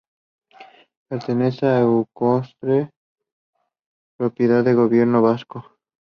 Pertenece a Euskotren, propiedad del Gobierno Vasco.